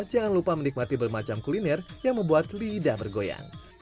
jangan lupa menikmati bermacam kuliner yang membuat lidah bergoyang